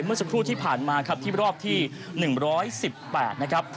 เมื่อสักครู่ที่ผ่านมาครับที่รอบที่๑๑๘นะครับ